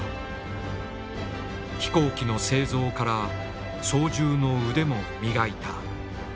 飛行機の製造から操縦の腕も磨いた。